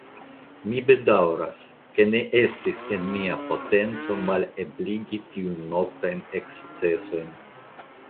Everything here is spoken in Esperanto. Mi bedaŭras, ke ne estis en mia potenco malebligi tiujn noktajn ekscesojn.